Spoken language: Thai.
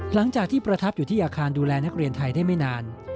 หลังจากที่ประทับอยู่ที่อาคารดูแลนักเรียนไทยได้ไม่นาน